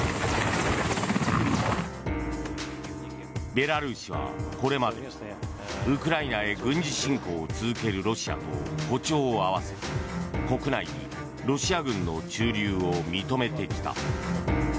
ベラルーシはこれまでウクライナへ軍事侵攻を続けるロシアと歩調を合わせ国内にロシア軍の駐留を認めてきた。